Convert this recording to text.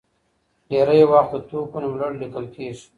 ډېری وخت د توکو نوملړ لیکل کېږي.